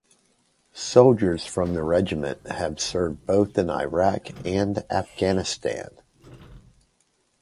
Soldiers from the regiment have served both in Iraq and Afghanistan.